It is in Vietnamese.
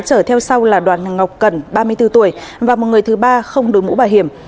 chở theo sau là đoàn ngọc cần ba mươi bốn tuổi và một người thứ ba không đổi mũ bảo hiểm